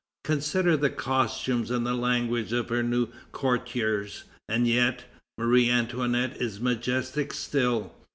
Consider the costumes and the language of her new courtiers! And yet, Marie Antoinette is majestic still.